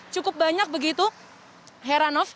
cukup banyak begitu heranov